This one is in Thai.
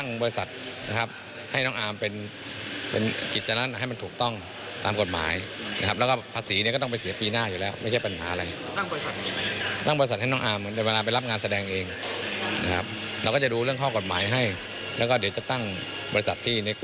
ในอัธิริยะยงพูดถึงกรณีที่จะมีให้คุณสมรักครามสิงห์ดีตนักมวยฮีโรแอลิมปิกนะคะ